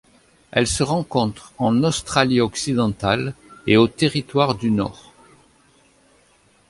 Elle se rencontre en Australie-Occidentale et au Territoire du Nord.